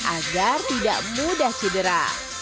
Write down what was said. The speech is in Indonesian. agar tidak mudah cedera